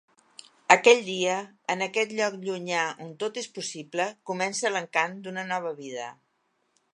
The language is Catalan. Aquell dia, en aquest lloc llunyà on tot és possible, comença l'encant d'una nova vida.